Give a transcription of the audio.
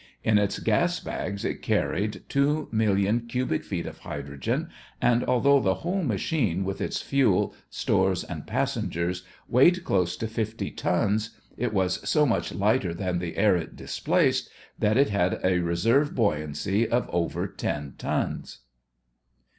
In its gas bags it carried two million cubic feet of hydrogen and although the whole machine with its fuel, stores, and passengers weighed close to fifty tons, it was so much lighter than the air it displaced that it had a reserve buoyancy of over ten tons.